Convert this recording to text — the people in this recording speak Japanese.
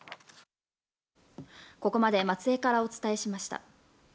ここまで松江からお伝えしました。